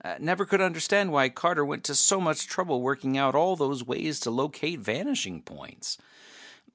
Never could understand why Carter went to so much trouble working out all those ways to locate vanishing points.